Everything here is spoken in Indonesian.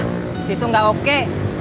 disitu ga oke